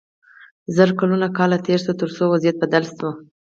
زرګونه کاله تیر شول تر څو وضعیت بدل شو.